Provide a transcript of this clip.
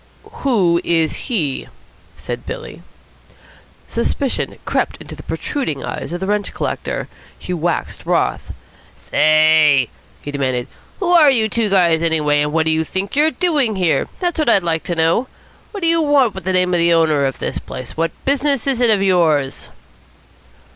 "Who is he?" said Billy. Suspicion crept into the protruding eyes of the rent collector. He waxed wroth. "Say!" he demanded. "Who are you two guys, anyway, and what do you think you're doing here? That's what I'd like to know. What do you want with the name of the owner of this place? What business is it of yours?"